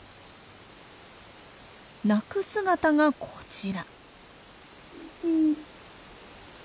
鳴く姿がこちら。